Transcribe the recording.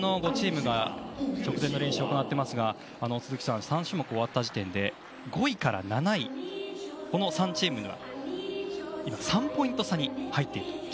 直前の練習を行っていますが３種目を終わった時点で５位から７位の３チームが３ポイント差に入っています。